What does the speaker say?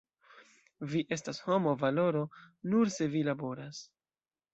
Vi estas homo valoro nur se vi laboras.